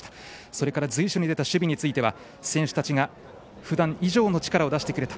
そして随所に出た守備については選手たちがふだん以上の力を出してくれた。